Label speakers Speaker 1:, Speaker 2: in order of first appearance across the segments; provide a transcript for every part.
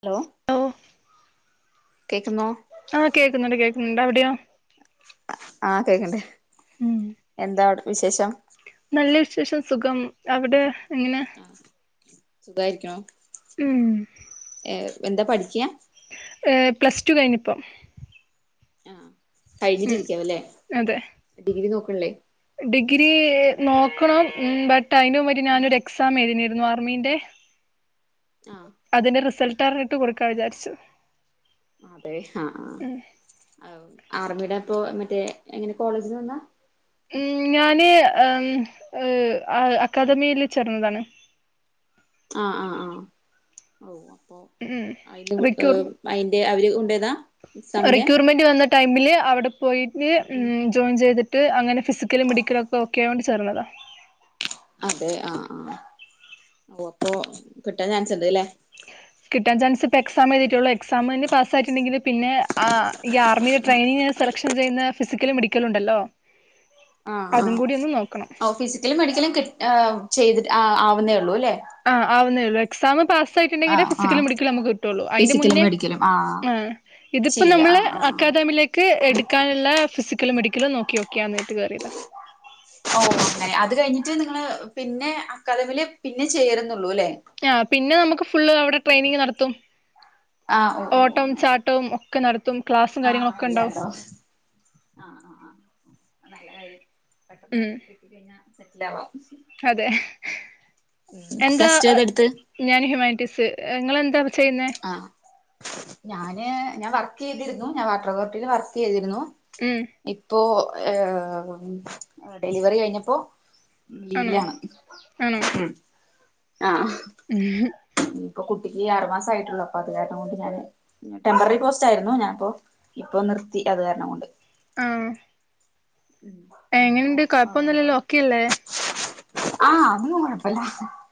Speaker 1: Hello
Speaker 2: ഓ
Speaker 1: കേക്കുന്നോ
Speaker 2: ആ കേക്ക്ന്ന്ണ്ട് കേക്ക്ന്ന്ണ്ട് അവിടെയോ
Speaker 1: ആ കേക്കണ് ണ്ട് എന്താ അവിടെ വിശേഷം
Speaker 2: നല്ല വിശേഷം സുഖം അവിടെ എ ങ്ങനെ
Speaker 1: ആ സുഖായിരിക്കുണു
Speaker 2: ഉം
Speaker 1: ഏഹ് എന്താ പഠിക്കാ
Speaker 2: ഏ പ്ലസ് ടു കയ്ഞ്ഞുപ്പം
Speaker 1: ആ
Speaker 2: ഉം
Speaker 1: കയ്ഞ്ഞിട്ടിരിക്കാവുല്ലെ
Speaker 2: അതെ
Speaker 1: ഡിഗ്രി നോക്ക്ൺല്ലേ
Speaker 2: ഡിഗ്രി നോക്കണം ബട്ട് അതിന്റെ മുമ്പ് ഞാനൊരു എക്സാം എഴുതിയിരുന്നു ആർമീന്റെ
Speaker 1: ആ
Speaker 2: അതിന്റെ റിസൾട്ട് അറിഞ്ഞിട്ട് കൊടുക്കാൻ വിചാരിച്ചു
Speaker 1: അതെ ആ
Speaker 2: ഉം
Speaker 1: ആ ആർമിയുടെ അപ്പൊ മറ്റേ എങ്ങനെ കോളേജിലെന്താ
Speaker 2: ഉം ഞാന് എ അക്കാദമില് ചേർന്നതാണ്
Speaker 1: ആഹ് ആഹ് ആഹ് ഓ
Speaker 2: ഉം റിക്യൂർ
Speaker 1: അയിന്റെ അവര് കൊണ്ടയതാ
Speaker 2: റിക്യൂർമെന്റ് വന്ന ടൈമില് അവടെ പോയിട്ട് ഉം ജോയിൻ ചെയ്ത്ട്ട് അങ്ങനെ ഫിസിക്കലും മെഡിക്കലൊക്കെ ഓക്കായതോണ്ട് ചേർന്നതാ
Speaker 1: അതെ ആ ആ ഓ അപ്പൊ കിട്ടാൻ ചാൻസ് ണ്ട്ല്ലേ
Speaker 2: കിട്ടാൻ ചാൻസ് പ്പോ എക്സാമെഴുതിട്ടൊള്ളു എക്സാമിന് പാസ്സായിറ്റ്ണ്ടെങ്കില് പിന്നെ ആ ഈ ആർമില് ട്രെയിനിങ്ങെ സെലക്ഷൻ ചെയ്യ്ന്നേ ഫിസിക്കലും മെഡിക്കലും ണ്ടല്ലോ അതും കൂടി ഒന്ന് നോക്കണം
Speaker 1: ഈ മെഡിക്കലും കിട് ചെയ്തിട്ട് ആവുന്നേള്ളൂ ല്ലേ
Speaker 2: അ ആവുന്നേള്ളൂ എക്സാം പാസ്സായിറ്റ്ണ്ടെങ്കില്
Speaker 1: ആഹ് ആഹ്
Speaker 2: ഫിസിക്കലും മെഡിക്കലും നമുക്ക് കിട്ടൊള്ളൂ അയ്ന്റെ
Speaker 1: ഫിസിക്കലും
Speaker 2: മുന്നേ
Speaker 1: മെഡിക്കലും ആഹ്
Speaker 2: ഉം ഇതിപ്പോ
Speaker 1: ചെയ്യില്ല
Speaker 2: നമ്മള്
Speaker 1: ആഹ് ആഹ് ആഹ്
Speaker 2: അക്കാദമിലേ ക്ക് എട്ക്കാന്ള്ളെ ഫിസിക്കലും മെഡിക്കലും നോക്ക്യോക്കിയാ ന്ന്ട്ട് കേറിയതാ
Speaker 1: [inaudible] ഓ അങ്ങനെ അത് കയ്ഞ്ട്ട് നിങ്ങള് പിന്നെ അക്കാദമില് പിന്നെ ചേരുന്നുള്ളൂ ല്ലേ
Speaker 2: ആ പിന്നെ നമുക്ക് ഫുള്ളവടെ ട്രെയിനിങ് നടത്തും
Speaker 1: ആഹ് ഓ ഓ
Speaker 2: ഓട്ടം
Speaker 1: അങ്ങനെ
Speaker 2: ചാ ട്ടം ഒക്കെ നടത്തും ക്ലാസും കാര്യങ്ങളൊക്കെ ഉണ്ടാവും
Speaker 1: ആ ആ നല്ല കാര്യായി പെട്ടെന്ന്
Speaker 2: ഉം
Speaker 1: കിട്ടി കയ്ഞ്ഞാ സെറ്റിലാവാം
Speaker 2: അതെ
Speaker 1: ഉം
Speaker 2: എന്താ
Speaker 1: പ്ലസ് ടു ഏതെട്ത്ത്
Speaker 2: ഞാൻ ഹ്യൂമാനിറ്റീസ് ഇങ്ങളെന്താപ്പോ ചെയ്യുന്നേ
Speaker 1: ആ ഞാന് ഞാൻ വർക്കെയ്തിരുന്നു ഞാൻ വാട്ടറതോർട്ടില് വർക്കെയ്തിരുന്നു
Speaker 2: ഉം
Speaker 1: ഇപ്പോ ഏ ഡെലിവറി കഴിഞ്ഞപ്പോ
Speaker 2: ആണോ
Speaker 1: ലീവിലാണ്
Speaker 2: ആണോ
Speaker 1: ഉം ആ
Speaker 2: ഉം
Speaker 1: ഇപ്പൊ കുട്ടിക്ക്ഈ ആറ് മാസം ആയിട്ടുള്ളു അപ്പൊ അത് കാരണം കൊണ്ട് ഞാന് ടെംമ്പററി പോസ്റ്റായിരുന്നു ഞാപ്പോ ഇപ്പൊ നിർത്തി അത് കാരണം കൊണ്ട്
Speaker 2: ആഹ്
Speaker 1: ഉം
Speaker 2: എങ്ങനെണ്ട് കൊയപ്പൊന്നുല്ലല്ലോ ഓക്കെ അല്ലേ
Speaker 1: ആ അതൊന്നും കൊഴപ്പല്ല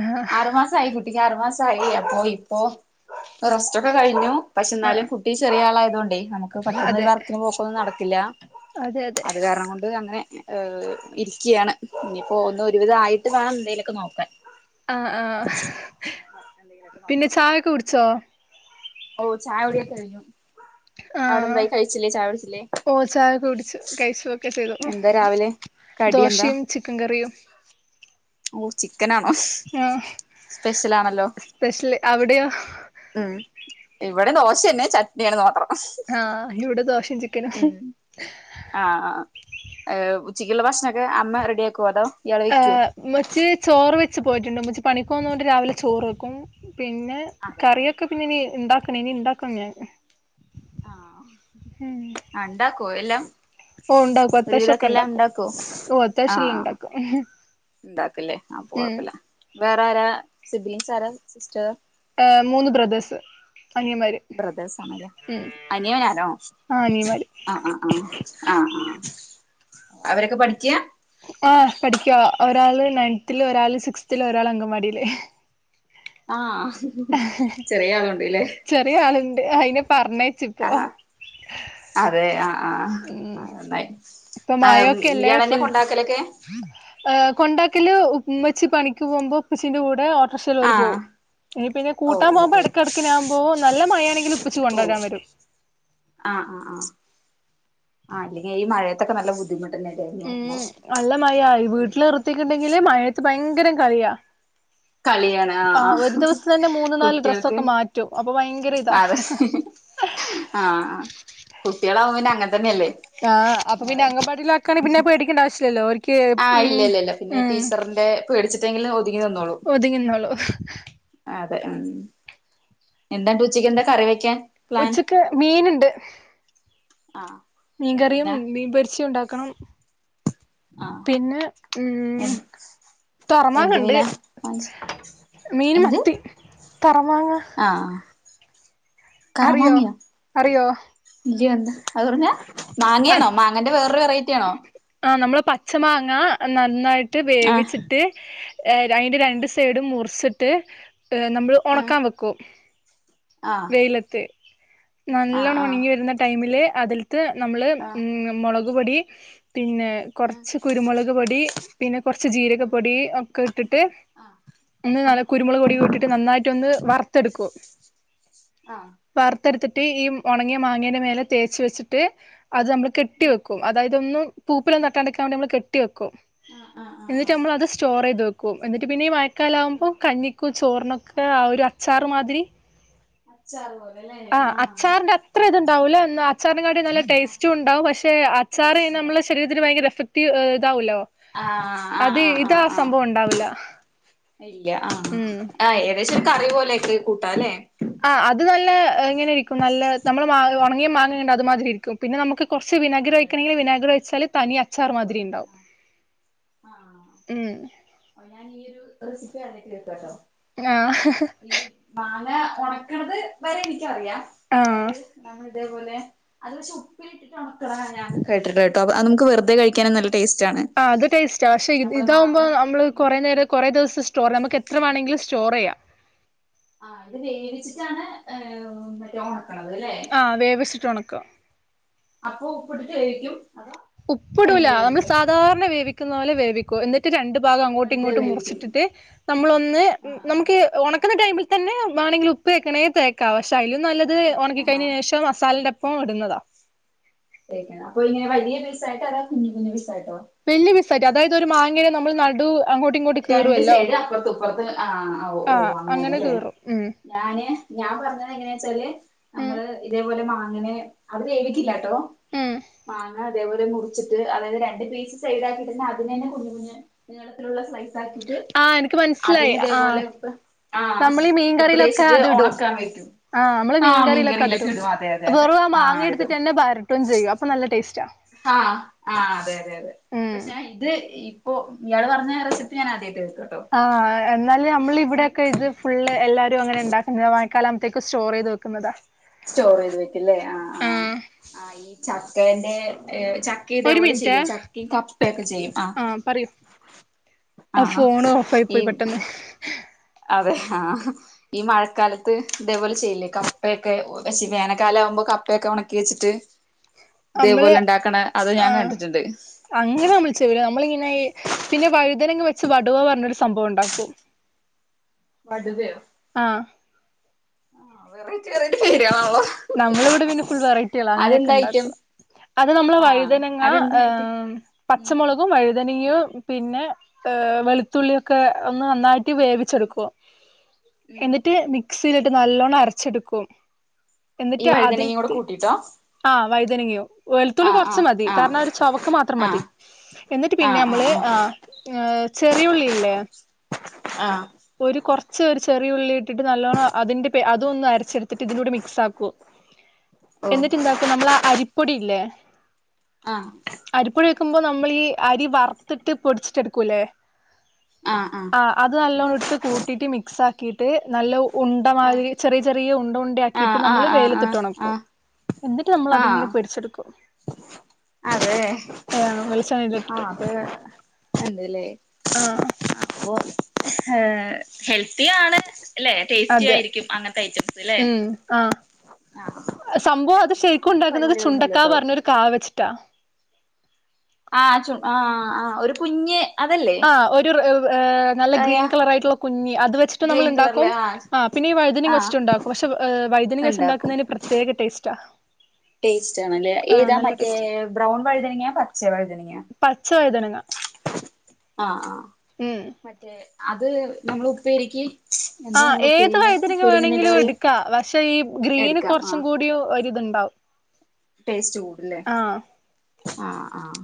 Speaker 2: ആഹ്
Speaker 1: ആറ് മാസായി കു കുട്ടിക്ക് ആറു മാസം ആയൊള്ളു അപ്പൊ ഇപ്പോ റസ്റ്റ്ഒക്കെ കഴിഞ്ഞു പക്ഷെ
Speaker 2: ആഹ്
Speaker 1: എന്നാലും കു ട്ടി ചെറിയ ആളായതോണ്ടെ നമുക്ക്
Speaker 2: അതെ
Speaker 1: പെട്ടെന്നൊരു വർക്കിന് പോക്കൊന്നും നടക്കില്ല
Speaker 2: അതെ അതെ
Speaker 1: അതു കാരണം കൊണ്ട് അങ്ങനെ ഏ ഇരിയ്ക്കയാണ് ഇനിയിപ്പോ ഒന്ന് ഒരുവിധം ആയിട്ട് വേണം എന്തേലൊക്കെ നോക്കാൻ
Speaker 2: ആഹ് ആഹ്
Speaker 1: എന്തെങ്കിലൊക്കെ
Speaker 2: പിന്നെ ചായൊക്കെ കുടിച്ചോ?
Speaker 1: ഓ ചായ കുടി ഒക്കെ കഴിഞ്ഞു
Speaker 2: ആഹ്
Speaker 1: അവിടെന്തായി കഴിച്ചില്ലേ ചായ കു ടിച്ചില്ലേ
Speaker 2: ഓഹ് ചായൊക്കെ കുടിച്ചു കഴിച്ചു ഒക്കെ ചെയ്തു
Speaker 1: എന്താ രാവിലെ കടി എന്താ
Speaker 2: ദോശയും ചിക്കൻ കറിയും
Speaker 1: ഓ ചിക്കനാണോ?
Speaker 2: ഏ
Speaker 1: സ്പെഷ്യലാണല്ലോ
Speaker 2: സ്പെഷ്യല് അവിടെയോ
Speaker 1: ഉം ഇവിടെ ദോശന്നെ ചട്നിയാണെന്ന് മാത്രം
Speaker 2: ആഹ് ഇവിടെ ദോശേ ച്
Speaker 1: ഉം ആ ആ ഏ ഉച്ചക്കുള്ള ഭക്ഷണൊക്കെ അമ്മ റെഡിയാക്കോ അതോ ഇയാള്
Speaker 2: ആ
Speaker 1: വെക്കുവോ
Speaker 2: ഉമ്മച്ചി ചോറു വെച്ച് പോയിട്ടുണ്ട് മ്മച്ചി പണിക്കോന്നോണ്ട് രാവിലെ ചോറു വെക്കും പിന്നെ
Speaker 1: അതെ ഓ
Speaker 2: കറിയൊക്കെ പിന്നിനി ഇണ്ടാക്കണം ഇനി ഇണ്ടാക്കണം ഞാൻ
Speaker 1: ആഹ് ആഹ് ആഹ്
Speaker 2: ഉം
Speaker 1: അഹ് ണ്ടാക്കോ എല്ലാം
Speaker 2: ഓ ഉണ്ടാക്കും അത്താവശം
Speaker 1: ഒരുവിധൊക്കെ
Speaker 2: ഒക്കെ
Speaker 1: എല്ലാം
Speaker 2: ഉണ്ടാക്കും
Speaker 1: ഇണ്ടാക്കോ
Speaker 2: ഓ അത്താവശെല്ലാം ഇണ്ടാക്കും
Speaker 1: ഉണ്ടാക്കില്ലേ അപ്പ
Speaker 2: ഉം
Speaker 1: കൊഴപ്പില്ല വേറാരാ സിബിലിൻസ് ആരാ സിസ്റ്റർ
Speaker 2: ഏ മൂന്ന് ബ്രദേഴ്സ് അനിയമ്മാര്
Speaker 1: ബ്രദേഴ്സാണല്ലേ അനിയനാണോ
Speaker 2: ആ അനിയന്മാര്
Speaker 1: ആ ആ ആ ആ ആഹ് ആഹ് അവരൊക്കെ പഠിക്ക്യാ
Speaker 2: ആ പഠിക്കുവാ ഒരാള് നയൻത്തില് ഒരാള് സിക്സ്ത്തില് ഒരാൾ അംഗൻവാടിയില്
Speaker 1: ആഹ് ചെറിയ ആളുണ്ട്ല്ലേ
Speaker 2: ചെറിയ ആളുണ്ട് അയിനെ പറഞെ
Speaker 1: ആ ആ അതെ ആ
Speaker 2: ഉം
Speaker 1: ആഹ് അന്നായി ആഹ് ഇയാളെന്നെ കൊണ്ടാക്കലൊക്കെ
Speaker 2: ഏ കൊണ്ടാക്കലു ഉമ്മച്ചി പണിക്ക് പോകുമ്പം ഉപ്പച്ചിന്റെ കൂടെ ഓട്ടോറിക്ഷേൽ അവര് പോം
Speaker 1: ആഹ്
Speaker 2: ഇനി പിന്നെ
Speaker 1: ഓഹ്
Speaker 2: കൂട്ടാൻ
Speaker 1: ഓഹ്
Speaker 2: പോകുമ്പോ
Speaker 1: ഓഹ്
Speaker 2: ഇടക്കിടക്കെ ഞാമ്പോവും നല്ല മഴയാണെങ്കിലിപ്പച്ചി കൊണ്ടരാൻ വരും
Speaker 1: ആ ആ ആ ആ അല്ലെങ്കി ഈ മഴയത്തൊക്കെ നല്ല ബുദ്ധി ബുദ്ധിമുട്ടന്നെലെ
Speaker 2: ഉം നല്ല മഴയാ വീട്ടില് ർത്തിട്ട്ണ്ടെങ്കി മഴത്ത് ഭയങ്കര കളിയാ
Speaker 1: [inaudible] കളിയാണ് ആ ആ
Speaker 2: ആഹ് ഒരു ദിവസം തന്നെ മൂന്ന് നാല് ഡ്രസ്സൊക്കെ
Speaker 1: കുട്ടികൾക്കും
Speaker 2: മാറ്റും അപ്പൊ ഭയങ്കര ഇതാ
Speaker 1: അതെ ആഹ് ആഹ് കുട്ടികളാവുമ്പം പിന്നെ അങ്ങന തന്നെയല്ലേ
Speaker 2: ആഹ് അപ്പ പിന്നെ
Speaker 1: അതെ
Speaker 2: അംഗൻവാടീലാ ക്കാണെ പിന്നെ പേടിക്കണ്ട ആവശ്യല്ല്യല്ലോ ഓർക്കേ
Speaker 1: ആഹ് ഇല്ലില്ല ഇല്ല പിന്നെ ടീച്ചറിന്റെ പേടിച്ചിട്ടെങ്കിലും ഒതുങ്ങി നിന്നോളും
Speaker 2: ഒതുങ്ങിന്നോളും
Speaker 1: അതെ ഉം എന്താണ്ട് ഉച്ചക്ക് എന്താ കറി വെയ്ക്കാൻ
Speaker 2: ഉച്ചക്ക് മീനുണ്ട്
Speaker 1: ആഹ് എന്ത്
Speaker 2: മീൻകറിയും
Speaker 1: മീനാ
Speaker 2: മീൻ പൊരിച്ചതും ഉണ്ടാക്കണം
Speaker 1: ആഹ്
Speaker 2: പിന്നെ
Speaker 1: എ
Speaker 2: ഉം
Speaker 1: എന്ത് മീനാ വാങ്ങിച്ചേ?
Speaker 2: [unintelligible] മീൻ മത്തി [unintelligible]
Speaker 1: ആഹ് ആഹ്
Speaker 2: അറിയോ
Speaker 1: കറമാങ്ങയോ
Speaker 2: അറിയോ
Speaker 1: ഇല്ലയെന്താ അതെ പറഞ്ഞാ [unintelligible] മാങ്ങയാണോ മാങ്ങന്റെ വേറൊരു വെറൈറ്റിയാണോ
Speaker 2: ആ നമ്മള് പച്ച മാങ്ങ നന്നായിട്ട്
Speaker 1: ആഹ്
Speaker 2: വേവിച്ചിട്ട് ഏ രയിന്റെ രണ്ടു സൈഡും മുറിച്ചിട്ടെ ഏ നമ്മള്
Speaker 1: ആഹ്
Speaker 2: ഒണക്കാ വെക്കും
Speaker 1: ആഹ്
Speaker 2: വെയിലത്ത് നല്ലോണം
Speaker 1: ആഹ്
Speaker 2: ഉണങ്ങി വരുന്ന ടൈമിലെ അതിൽത്ത് നമ്മള്
Speaker 1: ആഹ്
Speaker 2: മ്മ് മുളക് മുളകുപൊടി പിന്നെ
Speaker 1: ആഹ്
Speaker 2: കുറച്ച് കുരുമുളക് പൊടി പിന്നെ കുറച്ച് ജീരക പൊടി ഒക്കെ ഇട്ടിട്ട് പിന്നെ നല്ല കുരുമുളക് പൊടി ഇട്ടിട്ട് നന്നായിട്ട് ഒന്ന് വറുത്തെടുക്കും
Speaker 1: ആഹ
Speaker 2: വറുത്തെടുത്തിട്ട് ഈ ഒണങ്ങിയ മാങ്ങേയുടെ മേല തേച്ച് വെച്ചിട്ട് അത് നമ്മൾ കെട്ടി വെക്കും അതായത് ഒന്നും പൂപ്പലൊന്നും തട്ടാണ്ടിക്കാൻ വേണ്ടി നമ്മൾ കെട്ടി വെക്കും
Speaker 1: ആഹ് ആഹ് ആഹ് ആഹ്
Speaker 2: എന്നിട്ട്
Speaker 1: ആഹ്
Speaker 2: നമ്മൾ അത് സ്റ്റോർ ചെയ്ത് വെക്കും എന്നിട്ട് പിന്നെ കാല ആവുമ്പോ
Speaker 1: ആഹ്
Speaker 2: കഞ്ഞിക്കു ചോറിനൊക്കെ ആ ഒരു അച്ചാറ് മാതിരി
Speaker 1: അച്ചാർ പോലെ ലെ ആഹ്
Speaker 2: അത്ര ഇത് ഉണ്ടാവൂല എന്ന അച്ചാറിനെ കാട്ടിൽ നല്ല
Speaker 1: ആഹ്
Speaker 2: ടേസ്റ്റും ഉണ്ടാവും പക്ഷെ അച്ചാറ്
Speaker 1: ടേസ്റ്റ്
Speaker 2: നമ്മുടെ
Speaker 1: ഉണ്ടാവും
Speaker 2: ശരീരം അതിന് ഭയങ്കര എഫക്റ്റീവ് ഇതാവലോ
Speaker 1: ആഹ് ആഹ്
Speaker 2: അത് ഇത്
Speaker 1: ആഹ്
Speaker 2: ആ
Speaker 1: ആഹ് ആഹ്
Speaker 2: സംഭവം ഉണ്ടാവില്ല
Speaker 1: ഇല്ല ആ
Speaker 2: ഉം
Speaker 1: ആഹ് ഏകദേശം ഒരു കറി പോലെൊക്കെ കൂട്ടാ അല്ലേ
Speaker 2: ആഹ് അത് നല്ല ഇങ്ങനെ ഇരിക്കും നല്ല നമ്മൾ മങ്ങ ഉണങ്ങിയ മാങ്ങണ്ടവും അത് മാതിരി ഇരിക്കും പിന്നെ നമുക്ക് കൊറച്ച് വിനാഗ്രി
Speaker 1: അതെ
Speaker 2: ഒയിക്കണെങ്കില്
Speaker 1: ആഹ്
Speaker 2: വിനാഗ്രി ഒഴിച്ചാല് തനി അച്ചർ
Speaker 1: ഓക്കെ
Speaker 2: മാതിരിണ്ടാവും
Speaker 1: ആഹ്
Speaker 2: ഉം
Speaker 1: ഓ ഞാനീയൊരു റെസിപ്പി ആദ്യായിട്ട് കേക്കാട്ടോ
Speaker 2: ആഹ്
Speaker 1: ഈ മാങ്ങ ഒണക്ക്ണത് വരെ ഇനിക്കറിയാം
Speaker 2: ആഹ്
Speaker 1: അതായത് നമ്മൾ ഇതേപോലെ അത് പക്ഷെ ഉപ്പിലിട്ട്‌ട്ട് കേട്ടിട്ട് കേട്ടോ അ നമുക്ക് വെറുതെ കഴിക്കാനും നല്ല ടേസ്റ്റ് ആണ്
Speaker 2: ആ അത് ടേസ്റ്റാ പക്ഷെ
Speaker 1: നമ്മള് മാങ്ങ
Speaker 2: ഇതാാവുമ്പോ നമ്മള് കൊറേ നേരം കൊറേ ദ്‌വസം സ്റ്റോർ നമക്കെത്ര വേണെങ്കിലും സ്റ്റോറെയ്യാം
Speaker 1: ആഹ ഇത് വേവിച്ചിട്ടാണ് ഏ മറ്റേ ഒണക്ക്ണത് ല്ലേ
Speaker 2: ആ വേവിച്ചിട്ട് ഒണക്ക
Speaker 1: അപ്പൊപ്പടട്ട ആയിരിക്കും [unintelligible] അതോ
Speaker 2: ഉപ്പിടൂല
Speaker 1: തനിയെ
Speaker 2: നമ്മൾ
Speaker 1: വേവിക്കും
Speaker 2: സാധാരണ വേവിക്കുന്ന പോലെ വേവിക്കൂ എന്നിട്ട് [unintelligible] രണ്ടു ഭഗം അങ്ങോട്ടും
Speaker 1: വെറുതെ
Speaker 2: ഇങ്ങോട്ടും
Speaker 1: വേവിക്കും
Speaker 2: മുറിച്ചിട്ടിട്ട് നമ്മളൊന്ന്
Speaker 1: ആ ആ
Speaker 2: നമുക്ക് ഈ ഉണക്കുന്ന ടൈമിൽ തന്നെ വണെങ്കിൽ ഉപ്പ് തേക്കണക്കിൽ തേക്കാ പക്ഷെ അതിലും നല്ല ഇത് ഉണക്കി
Speaker 1: തേക്കാം ആ
Speaker 2: കഴിഞ്ഞന് ശേഷം മസാലയുടെ ഒപ്പം ഇടുന്നതാ
Speaker 1: കേക്ക് അപ്പൊ ഇങ്ങനെ വലിയ പീസ് ആയിട്ടോ അതേ കുഞ്ഞു കുഞ്ഞ് പീസ് ആയിട്ടോ
Speaker 2: വലൃയ പിസായിറ്റ് അതായത് ഒരു മാങ്ങേ നമ്മൾ നടു അങ്ങോട്ടും ഇങ്ങോട്ടും
Speaker 1: രണ്ട്
Speaker 2: കീറുവല്ലോ
Speaker 1: സൈഡ് അപ്പുറത്തും ഇപ്പറത്തും ആ ഓ
Speaker 2: ആ
Speaker 1: ഓ
Speaker 2: അങ്ങനെ
Speaker 1: അങ്ങനെല്ലേ
Speaker 2: കീറും ഉം
Speaker 1: ഞാന് ഞാൻ പറഞ്ഞത് എങ്ങനെ ച്ചാല്
Speaker 2: ഉം
Speaker 1: നമ്മള് ഇതേപോലെ മാങ്ങനെ അത് വേവിക്കില്ലാട്ടോ
Speaker 2: ഉം
Speaker 1: മാങ്ങ അതേപേലെ മുറിച്ചിട്ട് അതായത് രണ്ട് പീസ് സൈലക്കി പിന്നെ അതിനെ തന്നെ കുഞ്ഞി കുഞ്ഞി നിളത്തിലുള്ള സെ
Speaker 2: ആ എനിക്ക് മനസ്സിലായി ആഹ
Speaker 1: ഉപ്പ് ആ
Speaker 2: നമ്മളി ഈ
Speaker 1: ഉപ്പ്
Speaker 2: മീൻകറിയിലൊക്കെ
Speaker 1: തേച്ചിട്ട്
Speaker 2: അത്ടും
Speaker 1: ഉണക്കാൻ വെക്കും
Speaker 2: ആഹാ അമ്മള്
Speaker 1: ആ മീൻകറിയിലൊക്കെ
Speaker 2: മീകറീലൊക്കത്ടും
Speaker 1: ഇടും അതെ അതെ അതെ
Speaker 2: വെറൂ ആ
Speaker 1: ഇടും
Speaker 2: മാങ്ങിയെടുത്ത്ട്ടന്നെ ബരട്ടും ചെയ്യും അപ്പ നല്ല ടേസ്റ്റോ
Speaker 1: ആഹ ആ അതെ അതെ അതെ പക്ഷെ
Speaker 2: ഉം
Speaker 1: ഞാൻ ഇത് ഇപ്പോ ഇയാള് പറഞ്ഞ റെസിപ്പി ഞാൻ ആദ്യയിട്ട് കേക്കട്ടോ
Speaker 2: ആ എന്നാല് നമ്മൾ ഇവിടെയൊക്കെ ഇത് ഫുള് എല്ലാരും അങ്ങനെ ഉണ്ടാക്കുന്നത്ത് മഴക്കാാല ആകുപഴത്തേക്ക് സ്റ്റോർ ചെയ്ത് വെക്കുന്നതാ
Speaker 1: സ്റ്റോർ ചെയ്ത് വയ്ക്കുല്ലേ ആ ആഹ് ആ ഈ ചക്കന്റെ ച ചക്കി
Speaker 2: ഒരു
Speaker 1: ഇതേപോലെ
Speaker 2: മിനിറ്റേ
Speaker 1: ചെയ്യും ചക്കയും കപ്പൊക്കെ ചെയ്യും ആഹ
Speaker 2: ആഹ് പറയൂ ആ ഫോൺ ഓഫ് ആയി പോയി പെട്ടെന്ന്
Speaker 1: അതെ ആഹ ഈ മഴക്കാലത്ത് ഇതേപോലെ ചെയ്ല്ലേ കപ്പയൊക്കെ ഒ വേനൽക്കാലം ആകുമ്പോ കപ്പയൊക്കെ ഉണക്കി വെച്ചിട്ട്
Speaker 2: നമ്മള്
Speaker 1: ഇതേപോലെ ഇണ്ടാക്ക്ണെ അതും ഞാൻ
Speaker 2: ആഹ്
Speaker 1: കണ്ടിട്ടുണ്ട്
Speaker 2: അങ്ങനെ നമ്മൾ ചെയ്യൂല നമ്മളിങ്ങനെ ഈ പിന്നെ വഴുതനങ്ങ വെച്ച് വടുവ പറഞ്ഞരു സംഭവം ഉണ്ടാക്കും
Speaker 1: വട് വയോ
Speaker 2: ആഹ
Speaker 1: വെറൈറ്റി വെറൈറ്റി പിടിയാള് ആണല്ലോ
Speaker 2: നമ്മൾ ഇവിടെ പിന്നെ ഫുൾ വെറൈറ്റികളാ അങ്ങനെയൊക്കെ
Speaker 1: ഐറ്റം
Speaker 2: ഉണ്ടാക്കുക അത് നമ്മള്
Speaker 1: ആഹ്
Speaker 2: വഴുതനങ്ങ
Speaker 1: അതെന്താ ഐറ്റം
Speaker 2: ആം
Speaker 1: ഉം
Speaker 2: പച്ചമൊളക് ഉപ്പും വഴുതനങ്ങയും പിന്ന ആ വെളുത്തുള്ളിയൊക്കെ ഒന്ന് നന്നായി ഇ
Speaker 1: ഉം
Speaker 2: വേവിച്ചെടുക്കും
Speaker 1: ഉം
Speaker 2: എന്നിട്ട് മിക്സീലിട്ട് നല്ലോണ്ണം അരച്ചെടുക്കും
Speaker 1: ഈ വഴുതനങ്ങയൂടെ കൂട്ടിട്ടോ
Speaker 2: ആഹ് വഴുതനങ്ങയും വെൾത്തുള്ളി
Speaker 1: ആഹ്
Speaker 2: കൊറച്ച്
Speaker 1: ആഹ്
Speaker 2: മതി
Speaker 1: ആഹ്
Speaker 2: കാരണം ഒരു ചൊവക്ക് മാത്രം മതി
Speaker 1: ആഹ്
Speaker 2: എന്നിട്ട് പിന്നെ
Speaker 1: ആഹ് ആഹ്
Speaker 2: അമ്മള്
Speaker 1: ആഹ്
Speaker 2: ആഹ് ചെറിയുള്ളില്ലേ
Speaker 1: ആഹ്
Speaker 2: ഒരു കൊറച്ച് ഒരു ചെറിയുള്ളി ഇട്ടിട്ട് നല്ലോണം അതിന്റെ അതും ഒന്ന് അരച്ചെടുത്തിട്ട് ഇതിന്റൂടെ മിക്സാക്കും
Speaker 1: ഓ
Speaker 2: എന്നിട്ട്ന്താ ക്കും നമ്മളൃ അരിപ്പൊടില്ലേ
Speaker 1: ആഹ്
Speaker 2: അരിപ്പൊടി വെക്കുംമ്പോ നമ്മളീ അരി വർത്തിട്ട് പൊടിച്ചിട്ടെടുക്കൂല്ലേ
Speaker 1: ആഹ് ആഹ്
Speaker 2: അ അത് നല്ലോണം ഇട്ട് കൂട്ടിട്ട് മിക്സാ ക്കിട്ട് നല്ല ഉണ്ട മാതിരി ചെറിയ ചെറിയ ഉണ്ട ഉണ്ട ആക്കിട്ട്
Speaker 1: ആഹ്
Speaker 2: നമ്മള്
Speaker 1: ആഹ് ആഹ് ആഹ്
Speaker 2: വെയിലത്തിട്ട്
Speaker 1: ആഹ്
Speaker 2: ഒണക്കും
Speaker 1: ആഹ്
Speaker 2: എന്നിട്ട് നമ്മൾ അതിങ്ങനെ
Speaker 1: ആഹ്
Speaker 2: പിടിച്ചെടുക്കും
Speaker 1: അതെ
Speaker 2: ആഹ് വെളിച്ചെണ്ണേലിട്ടിട്ട്
Speaker 1: ആഹ് അത്
Speaker 2: ആഹ്
Speaker 1: [unintelligible] ഹ് ഹെൽത്തിയാണ് അല്ലെ ടേസ്റ്റി
Speaker 2: അതെ
Speaker 1: ആയിരിക്കും അന്നത്തെ ഐറ്റംസല്ലേ
Speaker 2: ഉം ആഹ് സംഭവം അത് ശരിക്കും
Speaker 1: അങ്ങനത്തെ
Speaker 2: ഉണ്ടാക്കുന്നത് ചുണ്ടക്കാ
Speaker 1: പരിപാടികളൊന്നുംല്ലട്ടോ
Speaker 2: പറഞ്ഞൊരു കാ വെച്ചിട്ടാ
Speaker 1: ആഹ് ചു ആഹ് ആഹ് ഒരു കുഞ്ഞ് അതല്ലേ
Speaker 2: ആഹ് ഒരു നല്ല
Speaker 1: കായ
Speaker 2: ഗ്രീൻ കളർ ആയിട്ടുള്ള കുഞ്ഞി അത് വെച്ചിട്ട് നമ്മൾ
Speaker 1: ഗ്രീൻ
Speaker 2: ഇണ്ടാക്കും
Speaker 1: കളറില്
Speaker 2: ആഹ് പിന്നെ ഈ വഴുതനങ്ങ
Speaker 1: ആഹ്
Speaker 2: വെച്ചിട്ടുണ്ടാക്കും പക്ഷേ വഴുതനങ്ങ വെച്ച്
Speaker 1: ഉണ്ടാക്കും
Speaker 2: ഇണ്ടാക്കുന്നതിന് പ്രത്യേക ടേസ്റ്റാ
Speaker 1: ടേസ്റ്റാണല്ലേ
Speaker 2: ആഹ്
Speaker 1: ഏതാ
Speaker 2: നല്ല
Speaker 1: മറ്റേ
Speaker 2: ടേസ്റ്റ്
Speaker 1: ബ്രൗൺ വഴുതനങ്ങയാ പച്ച വഴുതനങ്ങയാ
Speaker 2: പച്ച വഴുതന ങ്ങ
Speaker 1: ആഹ് ആ
Speaker 2: ഉം
Speaker 1: മറ്റേ അത് നമ്മള് ഉപ്പേരിക്ക് എന്താ
Speaker 2: ആഹ്
Speaker 1: നിങ്ങൾ
Speaker 2: ഏതു
Speaker 1: ഉപ്പേരിനെ
Speaker 2: വഴുതനങ്ങ
Speaker 1: ഉപ്പേരി തന്നെയല്ലേ
Speaker 2: വേണങ്കിലും
Speaker 1: പറയാ
Speaker 2: എടുക്കാം പക്ഷേ ഈ ഗ്രീന്
Speaker 1: എടുക്കാം ആ
Speaker 2: കൊറച്ചുംകൂടി ഒര് ഇത് ഇണ്ടാവും
Speaker 1: ടേസ്റ്റ് കൂടുല്ലേ ആഹ് ആഹ്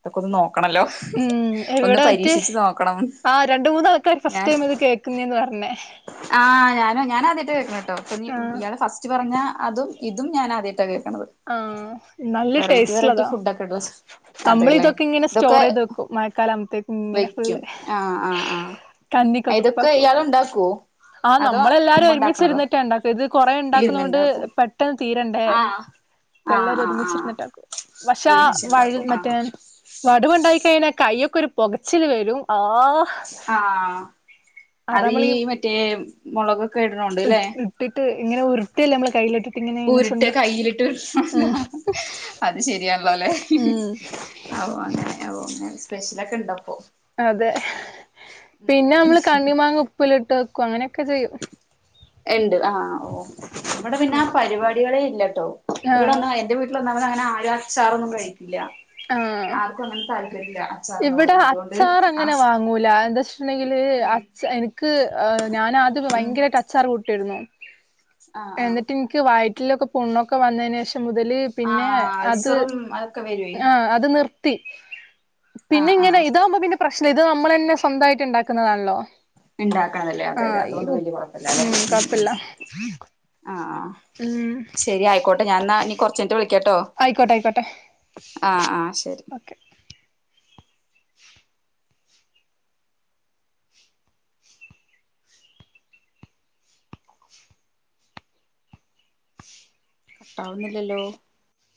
Speaker 1: ഇതൊക്കെ ഒന്ന് നോക്കണല്ലോ
Speaker 2: ഉം
Speaker 1: ഒന്ന്
Speaker 2: എവിടാ മറ്റേ
Speaker 1: പരീക്ഷിച്ച് നോക്കണം
Speaker 2: ആഹ് രണ്ട് മൂന്ന് ആൾക്കാര് ഫസ്റ്റ് ടൈം ഇത് കേൾക്കുന്നേന്ന് പറഞ്ഞെ
Speaker 1: ആഹ് ഞാനും ഞാൻ ആദ്യായിട്ടാ കേക്കണേട്ടോ
Speaker 2: ആഹ്
Speaker 1: ഇയാള് ഫസ്റ്റ് പറഞ്ഞ അതും ഇതും ഞാൻ ആദ്യായിട്ടാ കേക്കണത്
Speaker 2: ആഹ് നല്ല ടേസ്റ്റ് ഇള്ളതാ
Speaker 1: [unintelligible]
Speaker 2: നമ്മൾ
Speaker 1: അതെല്ലേ
Speaker 2: ഇതൊക്കെ ഇങ്ങനെ
Speaker 1: ഇതൊക്കെ
Speaker 2: സ്റ്റോറയ്ത് വെക്കും മഴക്കാലം ആവുംമ്പത്തേക്കും ഇങ്ങനെ
Speaker 1: വെക്കും
Speaker 2: ഫുള്ള്
Speaker 1: ആ ആ ആ
Speaker 2: കന്നിക്കക്കപ്പ
Speaker 1: ഇതൊക്കെ
Speaker 2: കൂട്ട
Speaker 1: ഇയാൾ ഉണ്ടാക്കുവോ
Speaker 2: ആഹ്
Speaker 1: അതോ
Speaker 2: നമ്മളെല്ലാരും
Speaker 1: ഉമ്മ ഉണ്ടാക്കണതോ
Speaker 2: ഒരുമിച്ചിരുന്നിട്ടാ ഇണ്ടാക്ക ഇത് കൊറേ ഇണ്ടാക്കുന്നോണ്ട്
Speaker 1: ഇരുന്നുണ്ടാക്കും
Speaker 2: പെ ട്ടന്ന് തീരണ്ടേ
Speaker 1: ആഹ്
Speaker 2: അപ്പം
Speaker 1: ആഹ്
Speaker 2: എല്ലാരും
Speaker 1: ആഹ് ആഹ്
Speaker 2: ഒരുമിച്ചിരുന്നിട്ടാക്കും പക്ഷേ ആ വഴു
Speaker 1: ഒരുമിച്ചുണ്ടാക്കും
Speaker 2: മറ്റേ
Speaker 1: ആഹ്
Speaker 2: വടുവുണ്ടായി കഴിഞ്ഞാ കയ്യൊക്ക ഒരു പൊകച്ചില് വെരും ആഹ്
Speaker 1: ആഹ് അതീ
Speaker 2: നമ്മളീ
Speaker 1: മറ്റേ മൊളക് ഇടണോണ്ട്ല്ലേ
Speaker 2: ഇട്ടിട്ട് ഇങ്ങനെ ഉരുട്ടല്ലേ നമ്മള് കയ്യിലിട്ടിട്ട് ഇങ്ങനെ ഇങ്ങനെ
Speaker 1: ഉരുട്ട
Speaker 2: ചുണ്ട
Speaker 1: കയ്യിലിട്ട് ഉരുട്ടാ
Speaker 2: ഉം
Speaker 1: അത് ശരിയാല്ലോല്ലേ
Speaker 2: ഉം
Speaker 1: ആവോ അങ്ങനെ ഓ അങ്ങനെ സ്പെഷ്യലൊക്കെണ്ടപ്പോ
Speaker 2: അതെ പിന്നെ
Speaker 1: ഉം
Speaker 2: നമ്മള് കണ്ണിമാങ്ങ ഉപ്പിലിട്ട് വെക്കും അങ്ങനൊക്കെ ചെയ്യും
Speaker 1: ഇണ്ട് ആഹ് ആഹ് ഓഹ് ഇവിടെ പിന്നാ പരിപാടികളേ ഇല്ലട്ടോ
Speaker 2: ആ
Speaker 1: ഇവിടവന്നാ എന്റെ വീട്ട് ട്ടിൽ ഒന്നാമത് അങ്ങനെ ആരും അച്ചാറൊന്നും കഴിക്കില്ല
Speaker 2: ആഹ്
Speaker 1: ആർക്കും അങ്ങനെ താല്പര്യം ഇല്ല
Speaker 2: ഇവിടെ
Speaker 1: അച്ചാറിനോടൊന്നും അതുകൊണ്ട്
Speaker 2: അച്ചാർ അങ്ങനെ
Speaker 1: ആഹ്
Speaker 2: വാങ്ങൂല അതെന്താ ഉടകില്
Speaker 1: ഉം
Speaker 2: അഛൻ ക് ഞാനാദ്യം
Speaker 1: ഉം
Speaker 2: ഭയങ്കരമായിട്ട് അച്ചാർ കൂട്ടുമായിരുന്നു
Speaker 1: ആഹ് ആഹ്
Speaker 2: എന്നിട്ട് എനിക്ക് വയറ്റിലൊക്കെ പുണ്ണൊക്കെ വന്നതിന് ശേഷം മുതല് പിന്നെ
Speaker 1: ആഹ്
Speaker 2: അത്
Speaker 1: അൾസറും അതൊക്കെ വരും.
Speaker 2: ആഹ് അത് നിർത്തി പിന്നെ
Speaker 1: ആഹ് ആഹ്
Speaker 2: ഇങ്ങനെ ഇതാകുമ്പോ പിന്നെ പ്രശ്നം ഇത് നമ്മൾ തന്നെ സ്വന്തമായിട്ട് ഉണ്ടാക്കുന്നതാണല്ലോ?
Speaker 1: ഉണ്ടാക്കണതല്ലേ അതെ അതെ
Speaker 2: ആഹ് ഈ
Speaker 1: അതുകൊണ്ട് വലിയ
Speaker 2: ഉം
Speaker 1: കൊഴപ്പംഇല്ലാല്ലേ
Speaker 2: കുഴപ്പില്ല
Speaker 1: ആഹ്
Speaker 2: ഉം
Speaker 1: ശരി ആയിക്കോട്ടെ ഞാൻ എന്നാ ഇനി കൊറച്ച് കഴിഞ്ഞിട്ട് വിളിക്കാട്ടോ
Speaker 2: ആയിക്കോട്ടെ ആയിക്കോട്ടെ
Speaker 1: ആഹ് ആഹ് ശരി.
Speaker 2: ഓക്കെ
Speaker 1: കട്ടാവുന്നില്ലല്ലോ?